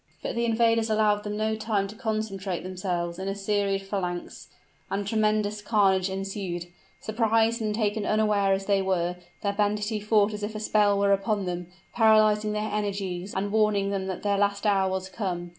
But the invaders allowed them no time to concentrate themselves in a serried phalanx, and tremendous carnage ensued. Surprised and taken unaware as they were, the banditti fought as if a spell were upon them, paralyzing their energies and warning them that their last hour was come.